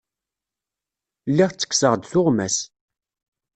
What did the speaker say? Lliɣ ttekkseɣ-d tuɣmas.